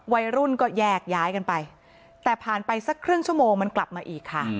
วัยรุ่นก็แยกย้ายกันไปแต่ผ่านไปสักครึ่งชั่วโมงมันกลับมาอีกค่ะ